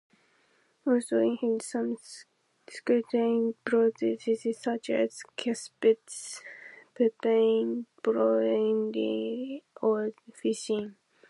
Also inhibits some cysteine proteases such as caspase, papain, bromelain or ficin.